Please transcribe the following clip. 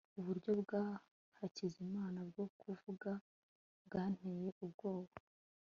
uburyo bwa hakizimana bwo kuvuga bwanteye ubwoba